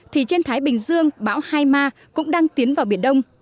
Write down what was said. thì trên thái bình dương bão hai ma cũng đang tiến vào biển đông